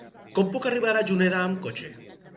Com puc arribar a Juneda amb cotxe?